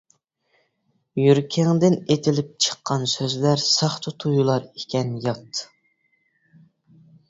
يۈرىكىڭدىن ئېتىلىپ چىققان سۆزلەر ساختا تۇيۇلاركەن، يات!